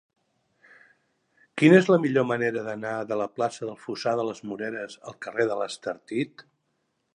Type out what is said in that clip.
Quina és la millor manera d'anar de la plaça del Fossar de les Moreres al carrer de l'Estartit?